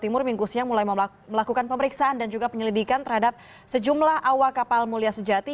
memiliki pengawasan dan penyelidikan terhadap sejumlah awa kapal mulia sejati